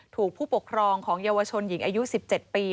ถูกผู้ปกครองของเยาวชนหญิงอายุ๑๗ปี